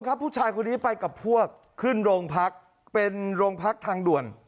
ผู้ชายคนนี้ไปกับพวกขึ้นโรงพักเป็นโรงพักทางด่วน